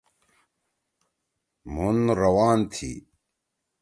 مھون روان تھی۔